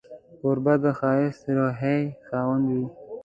کوربه د ښایسته روحيې خاوند وي.